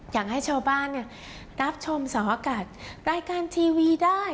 อยากให้ชาวบ้านเนี่ยรับชมสวัสดิ์อากาศรายการทีวีได้